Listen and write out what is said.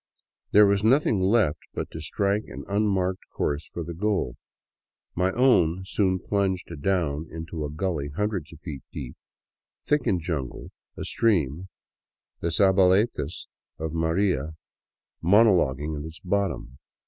There was nothing left but to strike an unmarked course for the goal. My own soon plunged down into a gully hundreds of feet deep, thick in jungle, a stream, the Za baletas of " Maria," monologing at its bottom.